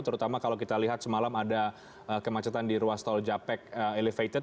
terutama kalau kita lihat semalam ada kemacetan di ruas tol japek elevated